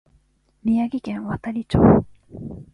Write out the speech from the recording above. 宮城県亘理町